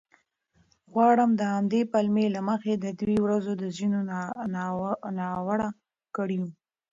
غواړم د همدې پلمې له مخې د دې ورځو د ځینو ناوړه کړیو